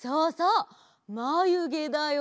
「まゆげ」だよね！